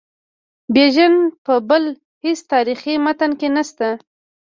بیژن په بل هیڅ تاریخي متن کې نسته.